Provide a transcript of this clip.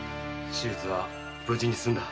手術は無事に済んだ。